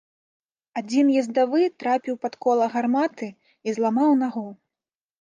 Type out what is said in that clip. Адзін ездавы трапіў пад кола гарматы і зламаў нагу.